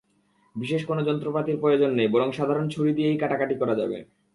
বিশেষ কোনো যন্ত্রপাতির প্রয়োজন নেই, বরং সাধারণ ছুরি দিয়েই কাটাকাটি করা যাবে।